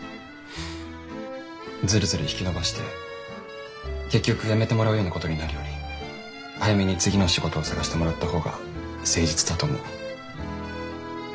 ずるずる引き延ばして結局辞めてもらうようなことになるより早めに次の仕事を探してもらった方が誠実だと思う。